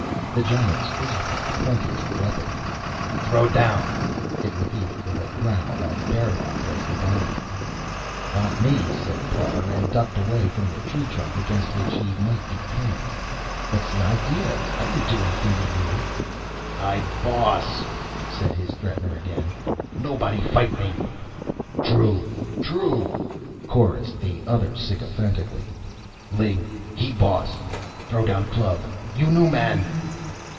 The giant's free hand pointed to the weapon. "Throw down," it repeated, with a growl as bearlike as the body. "Not me," said Parr, and ducked away from the tree trunk against which he might be pinned. "What's the idea? I didn't do anything to you " "I boss," said his threatener again. "Nobody fight me." "True, true," chorused the others sycophantically. "Ling, he boss throw down club, you new man."